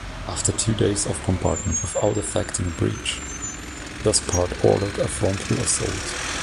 After two days of bombardment without effecting a breach, Despard ordered a frontal assault.